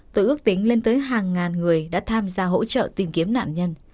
từ ước tính lên tới hàng ngàn người đã tham gia hỗ trợ tìm kiếm nạn nhân